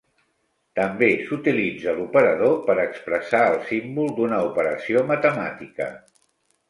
També s"utilitza l"operador per expressar el símbol d"una operació matemàtica.